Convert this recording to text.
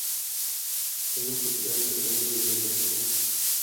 Siendo el capitán encargado de levantar la copa.